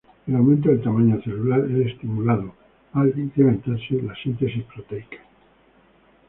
El aumento del tamaño celular es estimulado al incrementarse la síntesis proteica.